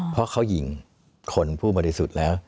เพราะเขาหญิงคนผู้บริสุทธิ์แล้ว